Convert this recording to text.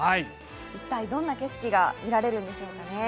一体どんな景色が見られるんでしょうかね。